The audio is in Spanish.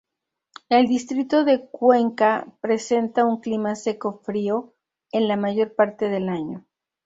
El distrito de Cuenca presenta un clima seco-frío en la mayor parte del año.